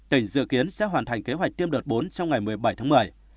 tỉnh dự kiến sẽ hoàn thành kế hoạch tiêm đợt bốn trong ngày một mươi bảy tháng một mươi